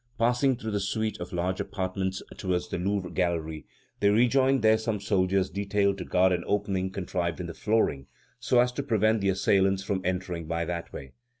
Passing through the suite of large apartments towards the Louvre Gallery, they rejoined there some soldiers detailed to guard an opening contrived in the flooring, so as to prevent the assailants from entering by that way.